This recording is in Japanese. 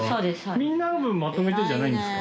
みんなの分まとめてじゃないんですか？